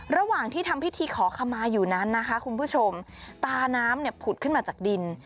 ระหว่างที่ทำพิธีขอขมาอยู่นั้นนะคะคุณผู้ชมตาน้ำเนี่ยผุดขึ้นมาจากดิน